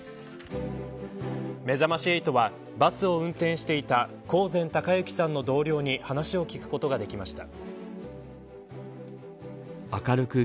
めざまし８はバスを運転していた興膳孝幸さんの同僚に話を聞くことができました。